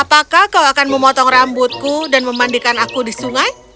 apakah kau akan memotong rambutku dan memandikan aku di sungai